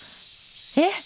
えっ！